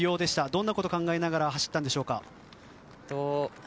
どんなことを考えながら走ったんでしょうか。